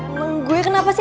emang gue kenapa sih